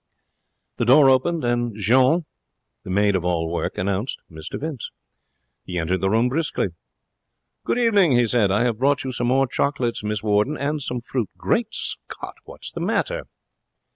The door opened and Jeanne, the maid of all work, announced Mr Vince. He entered the room briskly. 'Good evening!' he said. 'I have brought you some more chocolates, Miss Warden, and some fruit. Great Scott! What's the matter?'